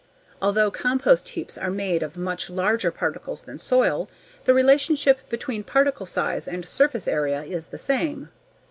Although compost heaps are made of much larger particles than soil, the relationship between particle size and surface area is the same.